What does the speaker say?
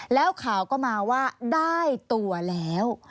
แล้วข่าวก็มาว่าได้ตัวแล้ว